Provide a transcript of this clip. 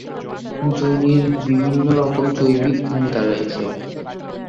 যোনির বিভিন্ন রকম জৈবিক ভূমিকা রয়েছে।